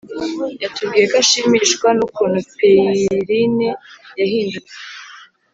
yatubwiye ko ashimishwa n’ukuntu pierrine yahindutse,